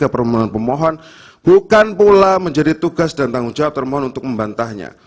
permohonan pemohon bukan pula menjadi tugas dan tanggung jawab termohon untuk membantahnya